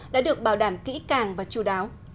đã được bảo đảm kỹ càng và chú đáo